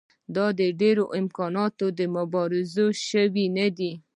دا د ډېرو امکاناتو د مبارزې شی نه دی.